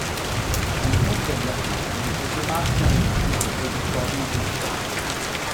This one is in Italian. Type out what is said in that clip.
La nipote Beatrice non prese parte al viaggio di ritorno sul "Titanic".